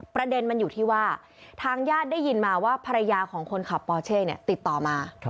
ประเด็นมันอยู่ที่ว่าทางญาติได้ยินมาว่าภรรยาของคนขับปอเช่ติดต่อมา